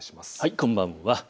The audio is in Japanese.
こんばんは。